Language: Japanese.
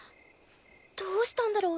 どうしたんだろう？